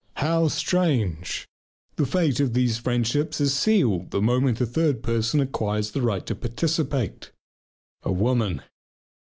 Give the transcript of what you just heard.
How strange! The fate of these friendships is sealed the moment a third person acquires the right to participate: a woman.